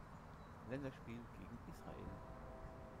Länderspiel gegen Israel.